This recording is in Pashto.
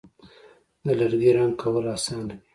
د لرګي رنګ کول آسانه دي.